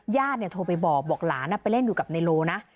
ญาติเนี่ยโทรไปบอกบอกหลานไปเล่นอยู่กับเนโลนะ